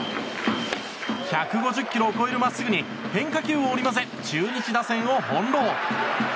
１５０キロを超えるまっすぐに変化球を織り交ぜ中日打線を翻弄。